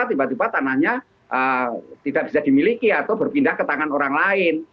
tiba tiba tanahnya tidak bisa dimiliki atau berpindah ke tangan orang lain